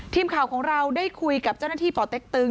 ทีมข่าวของเราได้คุยกับเจ้าหน้าที่ป่อเต็กตึง